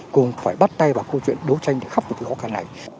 cùng phải bắt tay vào câu chuyện đấu tranh khắp cuộc khó khăn này